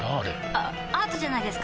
あアートじゃないですか？